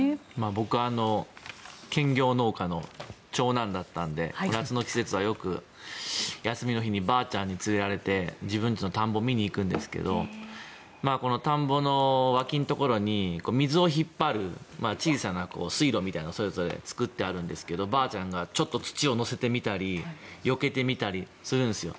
僕、兼業農家の長男だったので夏の季節はよく休みの日にばあちゃんに連れられて自分ちの田んぼを見に行くんですが田んぼの脇のところに水を引っ張る小さな水路みたいなのをそれぞれ作っているんですがばあちゃんがちょっと土を乗せてみたりよけてみたりするんですよ。